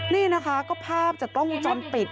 นี่นะคะก็ภาพจะต้องจนปิด